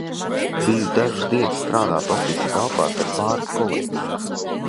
Biju dažas dienas strādāt ofisa telpās ar pāris kolēģiem.